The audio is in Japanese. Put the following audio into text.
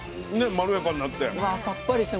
まろやかになって。